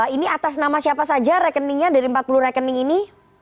ini atas nama siapa saja rekeningnya dari empat puluh rekening ini